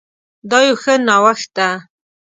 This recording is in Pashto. دا يو ښه نوښت ده